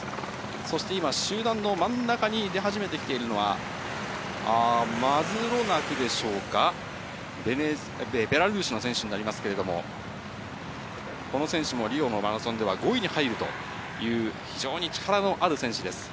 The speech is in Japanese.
そして今、集団の真ん中に出始めてきているのは、マズロナクでしょうか、ベラルーシの選手になりますけれども、この選手もリオのマラソンでは５位に入るという、非常に力のある選手です。